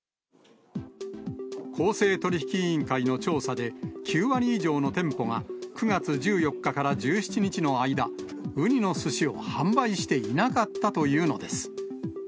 公正取引委員会の調査で、９割以上の店舗が９月１４日から１７日の間、うにのすしを販売していなかったというのです。